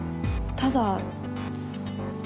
ただ？